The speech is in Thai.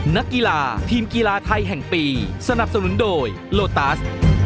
นักกีฬาทีมกีฬาไทยแห่งปีสนับสนุนโดยโลตัส